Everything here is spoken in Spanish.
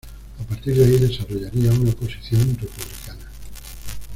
A partir de ahí desarrollaría una posición republicana.